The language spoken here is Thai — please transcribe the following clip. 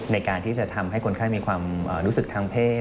ในการที่จะทำให้คนไข้มีความรู้สึกทางเพศ